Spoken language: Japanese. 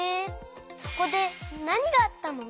そこでなにがあったの？